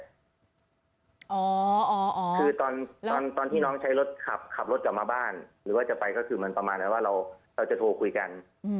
คือตอนที่น้องใช้รถขับขับรถกลับมาบ้านหรือว่าจะไปก็คือมันประมาณว่าเราจะโทรคุยกัน